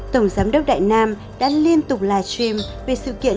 tổng giám đốc đại nam đã liên tục live stream về sự kiện